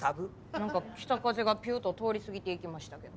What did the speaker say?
なんか北風がピューッと通り過ぎていきましたけど。